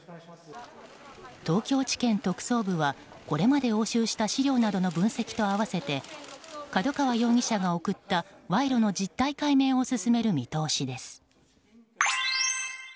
東京地検特捜部はこれまで押収した資料などの分析と合わせて角川容疑者が贈った賄賂の実態解明を進める見通しです。